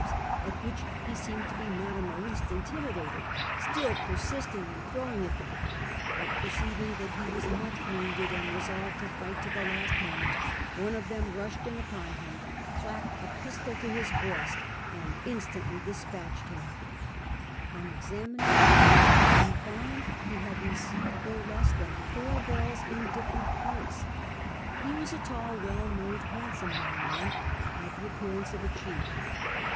8, at which lie st^euied to be not in the least iiitiinidated, still ^lersistiiig in throwing at them ; but perceiving that lie W'as much wounded and 1 'esolved to tight to the last moment, one of them ruslied in upon him, clajipcd a pistol to his breast, and iustautly rlespatched him ; on examining him we found he had received no less than four balls, in different parts. He was a tidl, well made, handsome young man, and had the appearance of a chief.